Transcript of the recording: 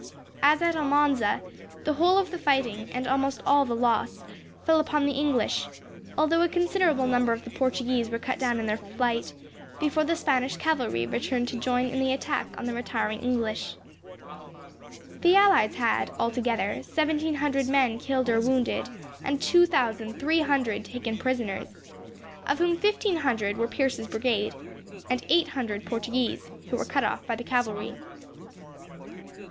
As at Almanza, the whole of the fighting, and almost all the loss, fell upon the English, although a considerable number of the Portuguese were cut down in their flight, before the Spanish cavalry returned to join in the attack on the retiring English. The allies had, altogether, seventeen hundred men killed or wounded, and two thousand three hundred taken prisoners, of whom fifteen hundred were Pierce's brigade; and eight hundred Portuguese, who were cut off by the cavalry.